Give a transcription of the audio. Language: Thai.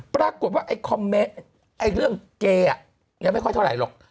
ปรากฏว่าไอ้คอมเมนต์เรื่องเกย์ยังไม่ค่อยเท่าไหรหรอก